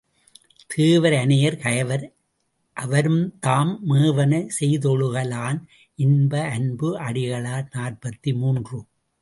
தேவர் அனையர் கயவர் அவருந்தாம் மேவன செய்தொழுக லான் இன்ப அன்பு அடிகளார் நாற்பத்து மூன்று.